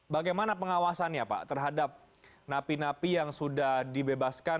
bagaimana pengawasannya pak terhadap napi napi yang sudah dibebaskan